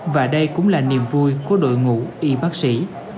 và đây cũng là niềm vui của đội ngũ y bác sĩ